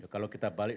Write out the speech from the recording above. kalau kita balik